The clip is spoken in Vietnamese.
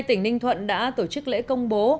tỉnh ninh thuận đã tổ chức lễ công bố